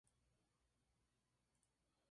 Esta es una causa frecuente de muerte en la infancia.